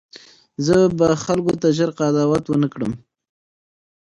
زه به خلکو ته ژر قضاوت ونه کړم.